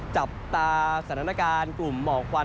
จับตาสถานการณ์กลุ่มหมอกควัน